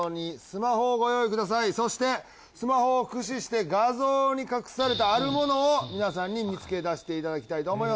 そしてスマホを駆使して画像に隠されたある物を皆さんに見つけ出していただきたいと思います。